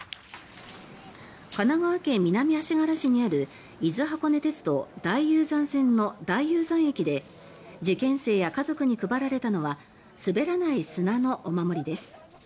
神奈川県南足柄市にある伊豆箱根鉄道大雄山線の大雄山駅で受験生や家族に配られたのはすべらない砂のお守りです。